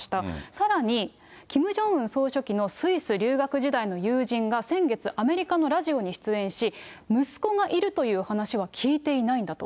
さらに、キム・ジョンウン総書記のスイス留学時代の友人が先月、アメリカのラジオに出演し、息子がいるという話は聞いていないんだと。